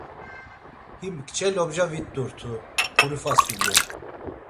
Him kçe lobca vit̆urtu ǩuri fasulye.